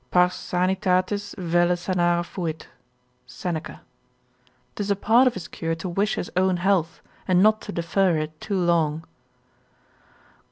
Pars sanitatis velle sanare fuit, (Seneca). 'Tis a part of his cure to wish his own health, and not to defer it too long.